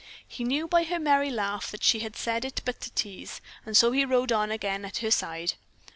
He knew by her merry laugh that she had said it but to tease, and so he rode on again at her side.